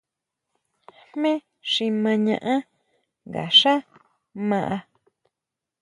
¿Jmé xi ma ñaʼán nga xá maá.